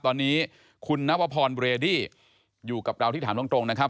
ตอนนี้คุณนวพรเบรดี้อยู่กับเราที่ถามตรงนะครับ